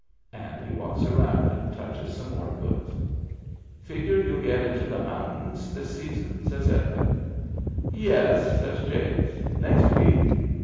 And he walks around and touches some more goods. "Figure youll get into the mountains this season ?" says Edmund. " Yes," says Jake. " Next week."